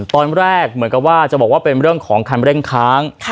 ตอนแรกเหมือนกับว่าจะบอกว่าเป็นเรื่องของคันเร่งค้าง